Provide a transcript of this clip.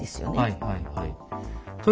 はいはいはい。